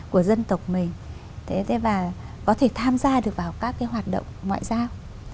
của dân tộc mình và có thể tham gia được vào các hoạt động ngoại giao